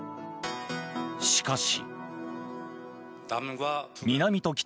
しかし。